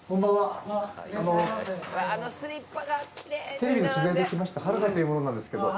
テレビの取材で来ました原田という者なんですけど。